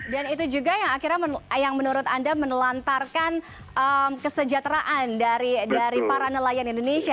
dan itu juga yang akhirnya menurut anda menelantarkan kesejahteraan dari para nelayan indonesia